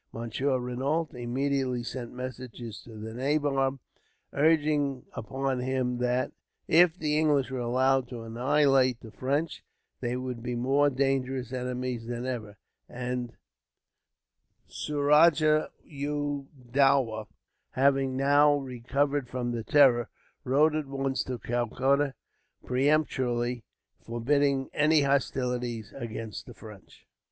Monsieur Renault immediately sent messengers to the nabob, urging upon him that, if the English were allowed to annihilate the French, they would be more dangerous enemies than ever; and Suraja u Dowlah, having now recovered from his terror, wrote at once to Calcutta, peremptorily forbidding any hostilities against the French.